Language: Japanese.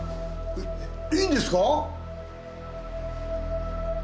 えっいいんですか？